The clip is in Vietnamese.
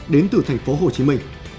đến từ thành phố hồ chí minh